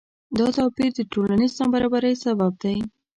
دا توپیر د ټولنیز نابرابری سبب دی.